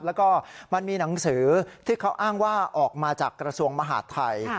แล้วก็มันมีหนังสือที่เขาอ้างว่าออกมาจากกระทรวงมหาดไทย